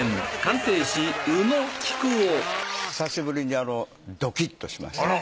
久しぶりにドキッとしました。